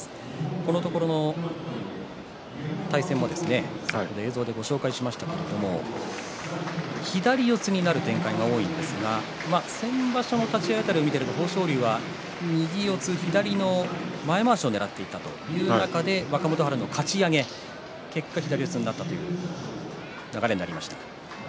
このところの対戦を映像でご紹介しましたが左四つになる展開が多いですが先場所の立ち合い辺りを見ていると豊昇龍は右四つ左の前まわしをねらっていった、そういう中で若元春のかち上げそんな流れになりました。